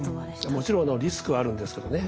もちろんリスクはあるんですけどね。